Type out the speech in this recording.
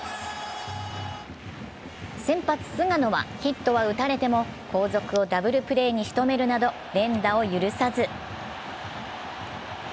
先発・菅野はヒットは打たれても後続をダブルプレーにしとめるなど連打を許さず。